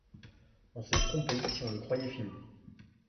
On se trompait, si on le croyait fini.